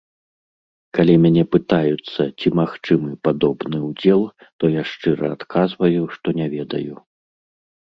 Калі мяне пытаюцца, ці магчымы падобны ўдзел, то я шчыра адказваю, што не ведаю.